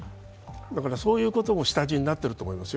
そういうことも下地になっていると思いますよ。